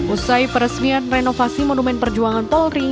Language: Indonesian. usai peresmian renovasi monumen perjuangan polri